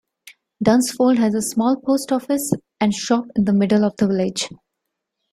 Dunsfold has a small Post Office and shop in the middle of the village.